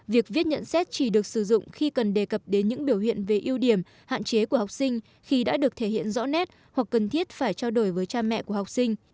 việc viết nhận xét chỉ được sử dụng khi cần đề cập đến những biểu hiện về ưu điểm hạn chế của học sinh khi đã được thể hiện rõ nét hoặc cần thiết phải trao đổi với cha mẹ của học sinh